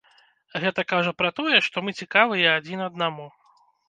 Гэта кажа пра тое, што мы цікавыя адзін аднаму.